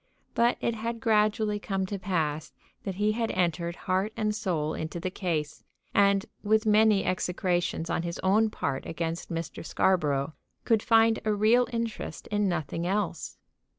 But it had gradually come to pass that he had entered heart and soul into the case, and, with many execrations on his own part against Mr. Scarborough, could find a real interest in nothing else.